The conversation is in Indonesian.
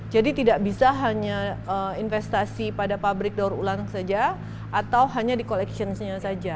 jadi tidak bisa hanya investasi pada pabrik daur ulang saja atau hanya di collection nya saja